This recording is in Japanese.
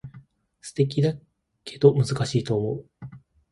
素敵だけど難しいと思う